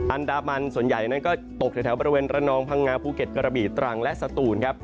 อันดามันส่วนใหญ่นั้นก็ตกแถวบริเวณระนองพังงาภูเก็ตกระบีตรังและสตูนครับ